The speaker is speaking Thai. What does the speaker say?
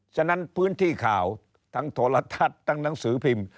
ฉะนั้นพื้นที่ข่าวทั้งโทรทัศน์ทั้งหนังสือพิมพ์